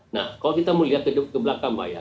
kalau kita mau lihat hidup ke belakang mbak